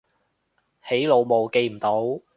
起腦霧記唔到